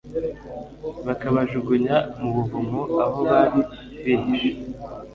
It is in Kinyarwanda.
bakabajugunya mu buvumo aho bari bihishe